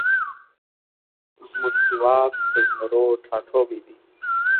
زمونږ هیواد د زمرو ټاټوبی دی